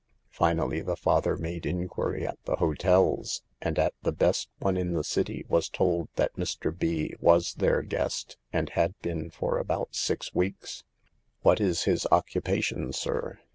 Finally the father made inquiry at the hotels, and at the best one in the city was told that Mr. B. was their guest, and had been for about six weeks. "What is his occupation, sir?"